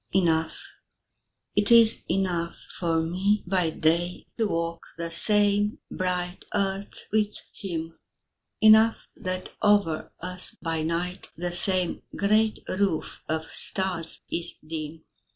Enough It is enough for me by day To walk the same bright earth with him; Enough that over us by night The same great roof of stars is dim.